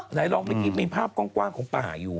หลายรองไม่คิดมีภาพกว้างของป่าอยู่